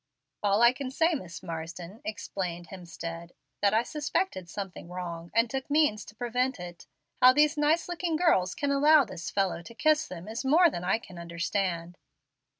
"All I can say is, Miss Marsden," explained Hemstead, "that I suspected something wrong, and took means to prevent it. How these nice looking girls can allow this fellow to kiss them is more than I can understand."